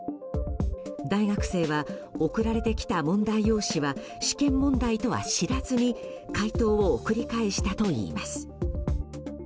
大学生は送られてきた問題用紙は試験問題とは知らずに解答を送り返したといいます。